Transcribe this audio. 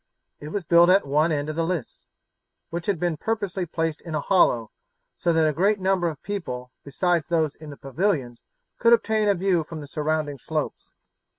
It was built at one end of the lists, which had been purposely placed in a hollow, so that a great number of people besides those in the pavilions could obtain a view from the surrounding slopes.